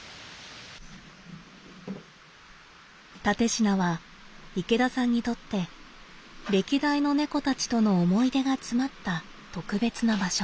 蓼科は池田さんにとって歴代の猫たちとの思い出が詰まった特別な場所。